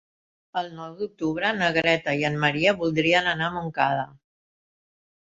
El nou d'octubre na Greta i en Maria voldrien anar a Montcada.